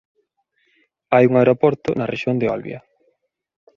Hai un aeroporto na rexión de Olbia.